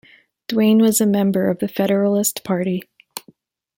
Duane was a member of the Federalist Party.